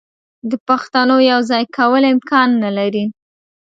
د پښتونو یو ځای کول امکان نه لري.